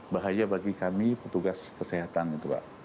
bahaya bagi kami petugas kesehatan itu pak